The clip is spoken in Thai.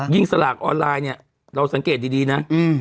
ยิ่งสลากออนไลน์เนี้ยเราสังเครตดีนะอืม